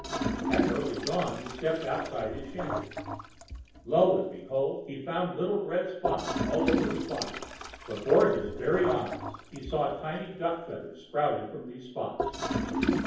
At early dawn he stepped outside his shanty. Lo, and behold! he found little red spots all over his body. Before his very eyes he saw tiny duck feathers sprouting from these spots.